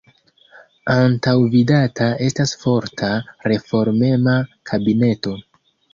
Antaŭvidata estas forta, reformema kabineto.